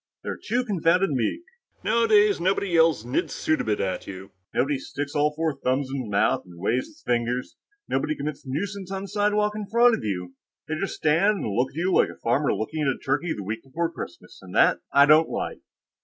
"They're too confounded meek. Nowadays, nobody yells 'Znidd suddabit!' at you. Nobody sticks all four thumbs in his mouth and waves his fingers. Nobody commits nuisance on the sidewalk in front of you. They just stand and look at you like a farmer looking at a turkey the week before Christmas, and that I don't like!"